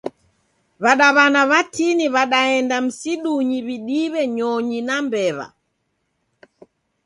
Wadawana watini wadaenda msidunyi widiwe nyonyi na mbewa